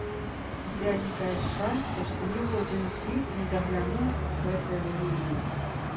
Вялікае шчасце, што ніводзін з іх не заглянуў у гэтыя руіны.